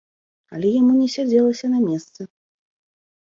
Але яму не сядзелася на месцы.